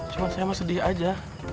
cuma saya mah sedih aja